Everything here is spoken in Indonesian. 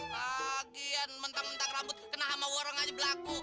pagian mentang mentang rambut kena sama orang aja berlaku